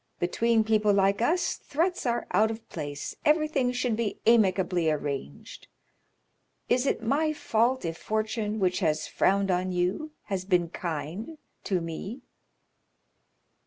Between people like us threats are out of place, everything should be amicably arranged. Is it my fault if fortune, which has frowned on you, has been kind to me?"